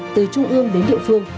từ trung ương đến địa phương